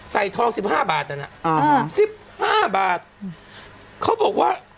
ใส่ทองสิบห้าบาทนั่นอ่ะอ่าสิบห้าบาทเขาบอกว่า